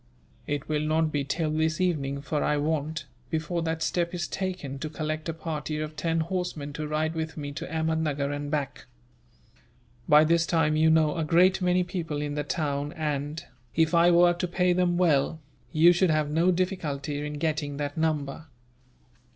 "It will not be till this evening, for I want, before that step is taken, to collect a party of ten horsemen to ride with me to Ahmednuggur and back. By this time you know a great many people in the town and, if I were to pay them well, you should have no difficulty in getting that number."